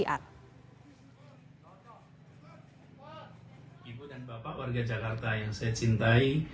ibu dan bapak warga jakarta yang saya cintai